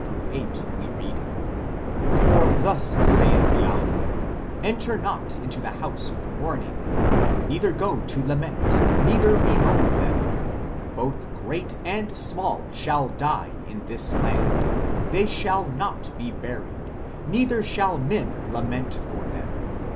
5 8 we read :" For thus saith Jahwe, enter not into the house of mourning, neither go to lament, neither bemoan them. ... Both great and small shall die in this land : they shall not be buried, neither shall men lament for them.